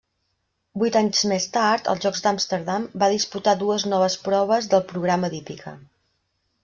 Vuit anys més tard, als Jocs d'Amsterdam, va disputar dues noves proves del programa d'hípica.